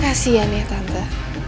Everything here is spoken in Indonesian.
kasian ya tante